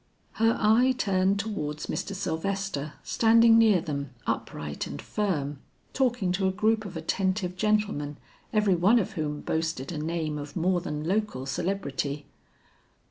Her eye turned towards Mr. Sylvester standing near them upright and firm, talking to a group of attentive gentlemen every one of whom boasted a name of more than local celebrity.